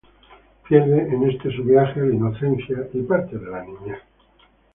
Pierde en este su viaje, la inocencia y parte de su niñez.